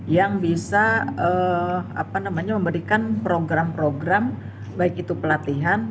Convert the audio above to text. yang bisa memberikan program program baik itu pelatihan